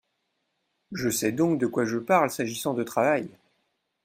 Je sais donc de quoi je parle s’agissant de travail.